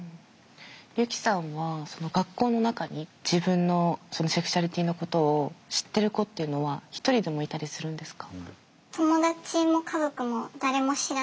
ユキさんは学校の中に自分のセクシュアリティーのことを知ってる子っていうのは一人でもいたりするんですか？